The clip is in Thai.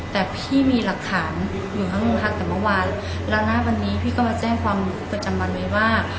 แต่พี่มีหลักฐานอยู่ข้างโรงพักแต่เมื่อวานแล้วณวันนี้พี่ก็มาแจ้งความประจำวันไว้ว่า